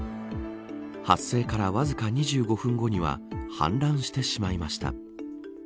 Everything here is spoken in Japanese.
発生からわずか２５分後には氾濫してしまいました。